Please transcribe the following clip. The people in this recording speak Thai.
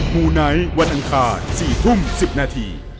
มูไนท์วันอังคาร๔ทุ่ม๑๐นาที